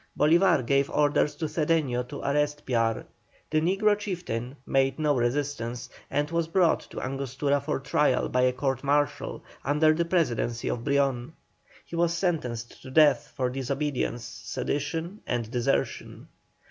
Bolívar gave orders to Cedeño to arrest Piar. The negro chieftain made no resistance, and was brought to Angostura for trial by a court martial, under the presidency of Brion. He was sentenced to death for disobedience, sedition, and desertion.